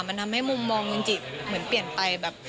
มันทำให้มุมมองจินจิเหมือนเปลี่ยนไปแบบ